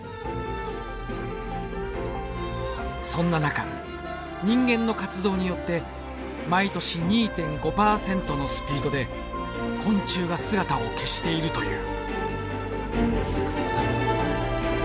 そんな中人間の活動によって毎年２．５％のスピードで昆虫が姿を消しているという。